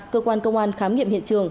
cơ quan công an khám nghiệm hiện trường